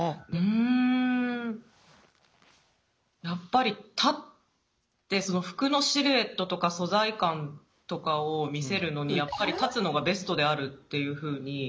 やっぱり立って服のシルエットとか素材感とかを見せるのにやっぱり立つのがベストであるっていうふうに。